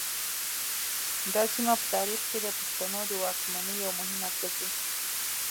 دا سیمه په تاریخ کې د پښتنو د واکمنۍ یو مهم مرکز و